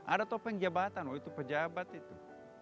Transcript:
ada topeng jabatan wah itu pejabat itu